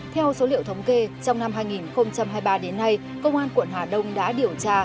theo số liệu thống kê trong năm hai nghìn hai mươi ba đến nay công an quận hà đông đã điều tra